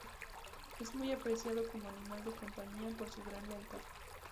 Es muy apreciado como animal de compañía por su gran lealtad.